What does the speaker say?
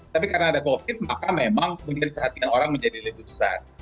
tapi karena ada covid maka memang kemudian perhatian orang menjadi lebih besar